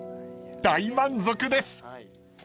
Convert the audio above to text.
大満足です］